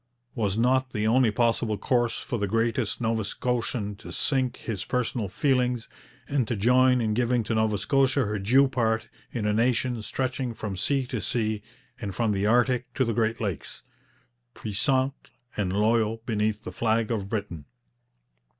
Was not the only possible course for the greatest Nova Scotian to sink his personal feelings, and to join in giving to Nova Scotia her due part in a nation stretching from sea to sea and from the Arctic to the Great Lakes, puissant and loyal beneath the flag of Britain?